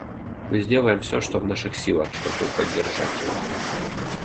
Мы сделаем все, что в наших силах, чтобы поддержать его.